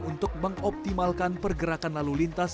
untuk mengoptimalkan pergerakan lalu lintas